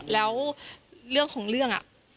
แล้วเรื่องของเรื่อง